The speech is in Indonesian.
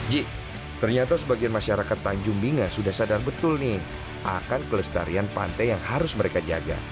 ji ternyata sebagian masyarakat tanjung binga sudah sadar betul nih akan kelestarian pantai yang harus mereka jaga